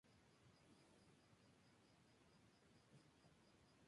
Otras han sido observadas bajo troncos.